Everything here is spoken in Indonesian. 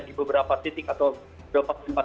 di beberapa titik atau beberapa tempat